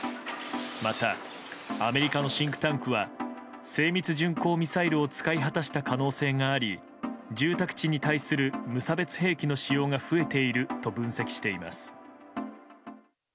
また、アメリカのシンクタンクは精密巡航ミサイルを使い果たした可能性があり、住宅地に対する無差別兵器の使用が増えていると分析しています。